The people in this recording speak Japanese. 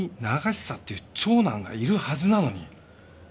永久っていう長男がいるはずなのに。